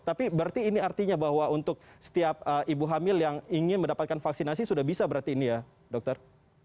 tapi berarti ini artinya bahwa untuk setiap ibu hamil yang ingin mendapatkan vaksinasi sudah bisa berarti ini ya dokter